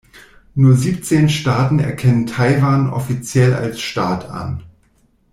Nur siebzehn Staaten erkennen Taiwan offiziell als Staat an.